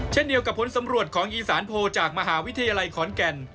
เช่นเดียวกับผลสำรวจของอีสานโพลจากมหาวิทยาลัยขอนแก่น